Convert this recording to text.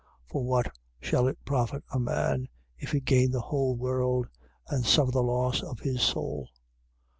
8:36. For what shall it profit a man, if he gain the whole world and suffer the loss of his soul?